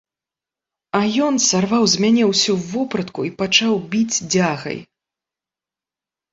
А ён сарваў з мяне ўсю вопратку і пачаў біць дзягай.